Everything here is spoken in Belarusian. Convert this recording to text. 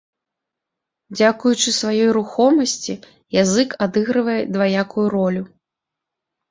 Дзякуючы сваёй рухомасці язык адыгрывае дваякую ролю.